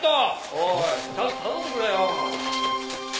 おいちゃんと頼んでくれよ。